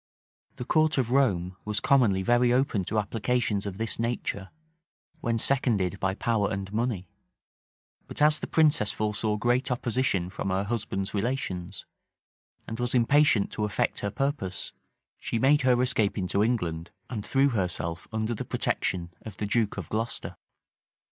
The court of Rome was commonly very open to applications of this nature, when seconded by power and money; but as the princess foresaw great opposition from her husband's relations, and was impatient to effect her purpose, she made her escape into England, and threw herself under the protection of the duke of Glocester.